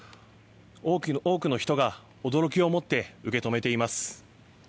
多くの人が驚きを持って受け止めています。